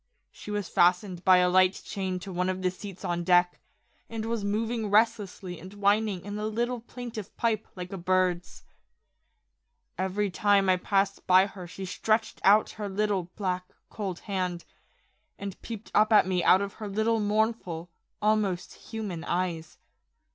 She was fastened by a light chain to one of the seats on deck, and was moving restlessly and whining in a little plaintive pipe like a bird's. Every time I passed by her she stretched out her little, black, cold hand, and peeped up at me out of her little mournful, almost human eyes.